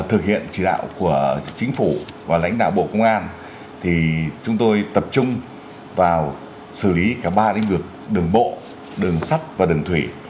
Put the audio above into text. thực hiện chỉ đạo của chính phủ và lãnh đạo bộ công an chúng tôi tập trung vào xử lý cả ba lĩnh vực đường bộ đường sắt và đường thủy